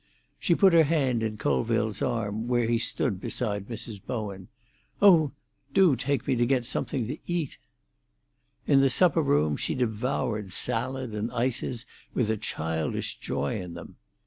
She put her hand in Colville's arm, where he stood beside Mrs. Bowen. "Oh, do take me to get something to eat!" In the supper room she devoured salad and ices with a childish joy in them.